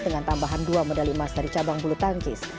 dengan tambahan dua medali emas dari cabang bulu tangkis